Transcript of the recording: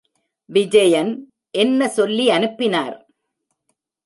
விஜயன் என்ன சொல்லி அனுப்பினார்?